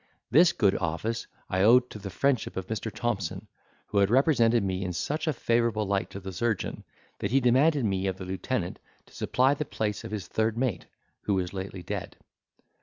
This good office I owed to the friendship of Mr. Thompson, who had represented me in such a favourable light to the surgeon, that he demanded me of the lieutenant to supply the place of his third mate, who was lately dead.